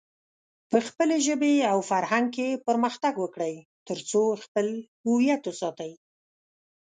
په خپلې ژبې او فرهنګ کې پرمختګ وکړئ، ترڅو خپل هويت وساتئ.